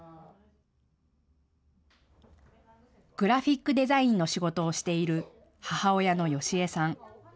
グラフィックデザインの仕事をしている母親の芳枝さん。